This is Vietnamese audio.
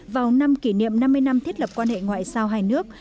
vào năm kỷ niệm năm mươi năm thiết lập quan hệ ngoại giao hai nước